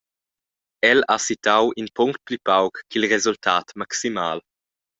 El ha sittau in punct pli pauc ch’il resultat maximal.